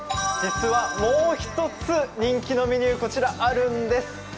実はもう一つ人気のメニューがあるんです。